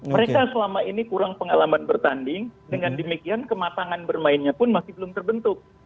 mereka selama ini kurang pengalaman bertanding dengan demikian kematangan bermainnya pun masih belum terbentuk